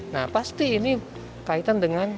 nah pasti ini kaitan dengan